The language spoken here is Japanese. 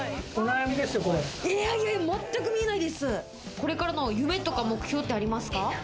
これからの夢とか目標ってありますか？